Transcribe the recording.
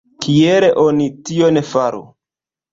Kiel oni tion faru?